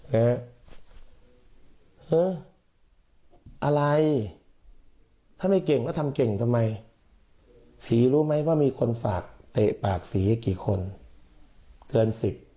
เอออะไรถ้าไม่เก่งแล้วทำเก่งทำไมสีรู้ไหมว่ามีคนฝากเตะปากสีกี่คนเกินสิบ